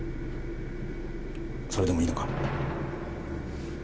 それでもいいのか？